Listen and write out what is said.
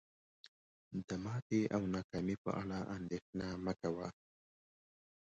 د ماتي او ناکامی په اړه اندیښنه مه کوه